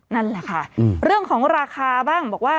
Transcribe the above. นั่นแหละค่ะเรื่องของราคาบ้างบอกว่า